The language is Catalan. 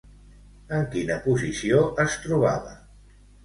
En quina posició es trobava?